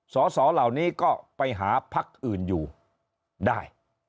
สสเหล่านี้ก็ไปหาพักอื่นอยู่ได้